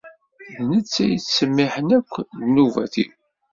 D netta i yettsemmiḥen akk ddnubat-iw.